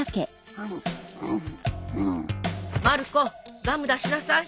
まる子ガム出しなさい。